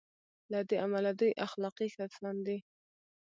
له دې امله دوی اخلاقي کسان دي.